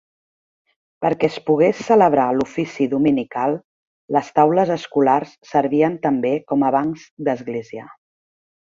Perquè es pogués celebrar l'ofici dominical, les taules escolars servien també com a bancs d'església.